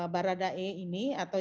baradae ini atau